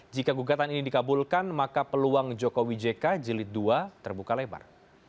jika gugatan ini dikabulkan maka peluang jokowi jk jelit dua terbuka lebar